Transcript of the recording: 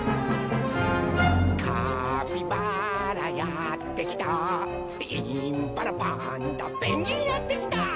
「カピバラやってきたインパラパンダペンギンやってきた」